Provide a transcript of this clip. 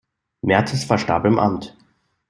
Mertes verstarb im Amt.